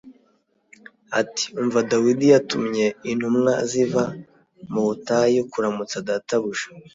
ati “Umva, Dawidi yatumye intumwa ziva mu butayu kuramutsa databuja.